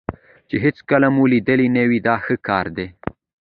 چې هېڅکله مو لیدلی نه وي دا ښه کار دی.